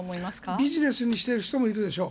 ビジネスにしている人もいるでしょう。